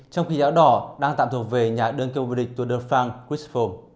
trong khi giáo đỏ đang tạm thuộc về nhà đơn kêu bùi địch tour de france crispo